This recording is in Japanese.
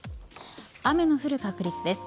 雨の降る確率です。